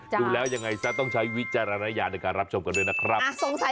ดูแล้วยังไงซะต้องใช้วิจารณญาณในการรับชมกันด้วยนะครับ